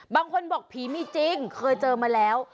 บางคนบอกผีมีจริงเคยเจอมาแล้ว